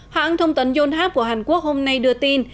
hãng thông tấn yonhap của hàn quốc hôm nay đưa tin